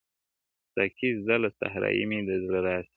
ساقي زده له صراحي مي د زړه رازکی,